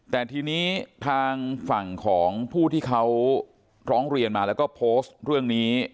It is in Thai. แต่ทีนี้ทางฝั่งของผู้ที่เขาร้องเรียนมาแล้วก็โพสต์เรื่องนี้